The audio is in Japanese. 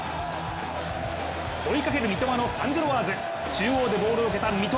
追いかける三笘のサンジロワーズ、中央でボールを受けた三笘。